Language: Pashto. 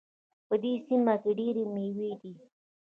په دې سیمه کې ډېري میوې دي